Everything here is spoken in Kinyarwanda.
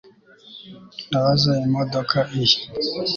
Ndabaza imodoka iyi